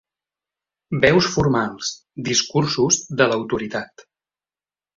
Veus formals: discursos de l'autoritat.